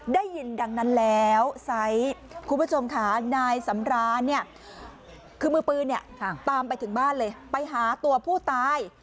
ได้ยินดังนั้นแล้วไซส์คุณผู้ชมค่ะนายสำรานเนี่ยคือมือปืนเนี่ยตามไปถึงบ้านเลยไปหาตัวผู้ตาย